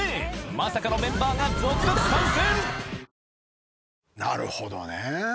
まさかのメンバーが続々参戦！